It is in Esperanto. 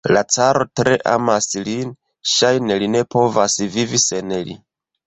La caro tre amas lin, ŝajne li ne povas vivi sen li.